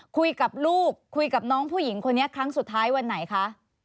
คุยกับลูกคุยกับน้องผู้หญิงคนนี้ครั้งสุดท้ายวันไหนคะ